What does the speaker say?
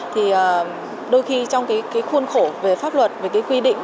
thì đôi khi trong cái khuôn khổ về pháp luật về cái quy định